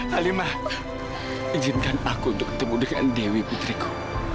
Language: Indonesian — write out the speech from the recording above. halimah izinkan aku untuk ketemu dengan dewi putriku